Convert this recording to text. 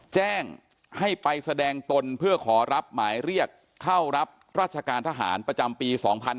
แจ้งให้ไปแสดงตนเพื่อขอรับหมายเรียกเข้ารับราชการทหารประจำปี๒๕๕๙